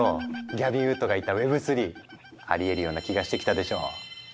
ギャビン・ウッドが言ったＷｅｂ３ありえるような気がしてきたでしょ。